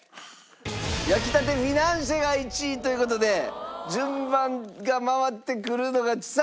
焼きたてフィナンシェが１位という事で順番が回ってくるのがちさ子さんがドボン！